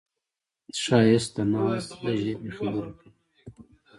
ښایست د ناز د ژبې خبرې کوي